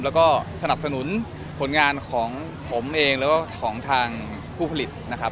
แล้วก็สนับสนุนผลงานของผมเองแล้วก็ของทางผู้ผลิตนะครับ